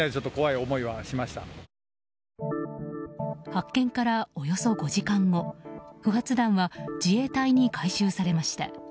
発見からおよそ５時間後不発弾は自衛隊に回収されました。